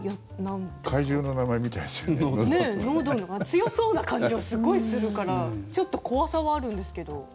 強そうな感じはすごいするからちょっと怖さはあるんですけど。